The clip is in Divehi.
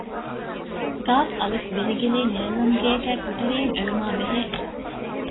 ގއ.ވިލިނގިލީ ނެލަމްގޭގައި ކޮޓަރިއެއް އެޅުމާއި ބެހޭ